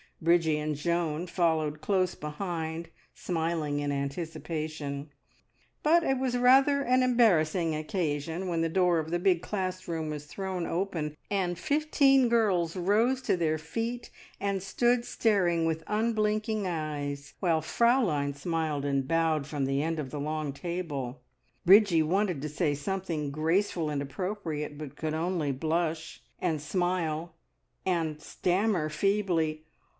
Bridgie and Joan followed close behind, smiling in anticipation; but it was rather an embarrassing occasion, when the door of the big classroom was thrown open, and fifteen girls rose to their feet and stood staring with unblinking eyes, while Fraulein smiled and bowed from the end of the long table. Bridgie wanted to say something graceful and appropriate, but could only blush, and smile, and stammer feebly.